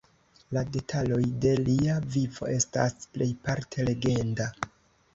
La detaloj de lia vivo estas plejparte legenda.